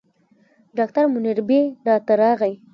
ډاکټر منیربې راته راغی.